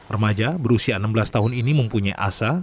remaja berusia enam belas tahun ini mempunyai asa